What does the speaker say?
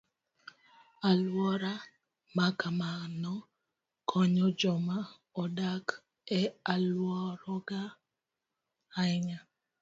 Alwora ma kamano konyo joma odak e alworago ahinya.